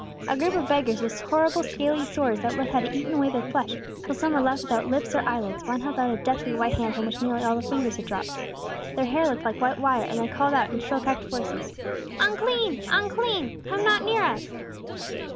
A group of beggars with horrible scaly sores that had eaten away their flesh, till some were left without lips or eyelids; one held out a deathly white hand from which nearly all the fingers had dropped. Their hair looked like white wire, and they called out, in shrill, cracked voices, "Unclean! Unclean! Come not near us!"